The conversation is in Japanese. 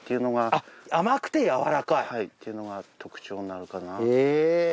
あっ甘くてやわらかい？っていうのが特徴になるかな。